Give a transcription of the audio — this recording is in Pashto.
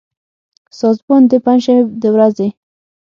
سازمان د پنجشنبې د ورځې